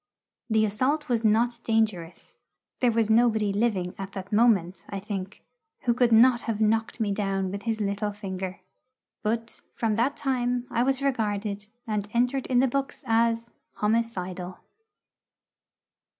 The assault was not dangerous. There was nobody living at that moment, I think, who could not have knocked me down with his little finger. But from that time I was regarded, and entered in the books, as 'homicidal.'